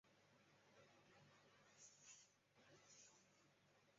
祥平街道是中国福建省厦门市同安区下辖的一个街道。